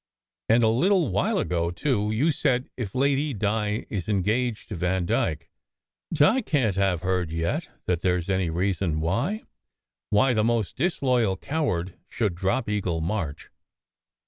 And a little while ago, too, you said * if Lady Di is engaged to Vandyke. Di can t have heard yet that there s any reason why why the most disloyal coward should drop Eagle March."